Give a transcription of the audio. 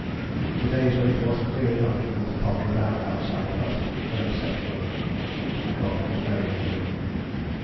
The days when it was clear enough even to potter about outside the hut were exceptional. God was very angry.